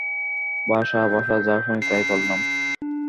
ভাসা-ভাসা যা শুনি তাই বললাম।